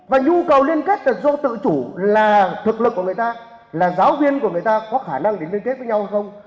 và nhu cầu liên kết là do tự chủ là thực lực của người ta là giáo viên của người ta có khả năng để liên kết với nhau hay không